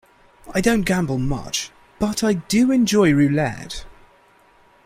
I don't gamble much, but I do enjoy roulette.